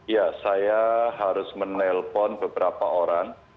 ya saya harus menelpon beberapa orang